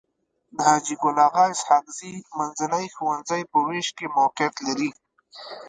د حاجي ګل اغا اسحق زي منځنی ښوونځی په ويش کي موقعيت لري.